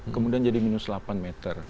kemudian jadi minus delapan meter